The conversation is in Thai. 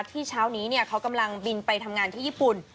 เช้านี้เขากำลังบินไปทำงานที่ญี่ปุ่น